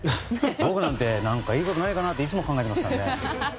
僕なんて何かいいことないかなっていつも考えていますからね。